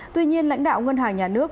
tuy nhiên lãnh đạo ngân hàng nhà nước